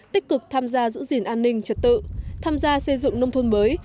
tích cực tham gia giữ gìn an ninh trật tự tham gia xây dựng nông thôn mới